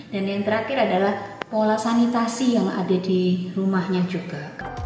dan yang terakhir adalah pola sanitasi yang ada di rumahnya juga